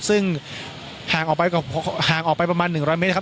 ซึ่งห่างออกไปห่างออกไปประมาณ๑๐๐เมตรนะครับ